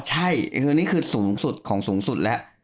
ใช่คือนี่คือสูงสุดของสูงสุดแล้ว